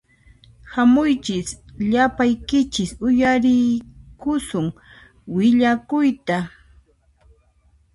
Hamuychis llapaykichis uyariykusun willakuyta